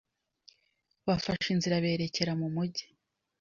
bafashe inzira berekera mu Mujyi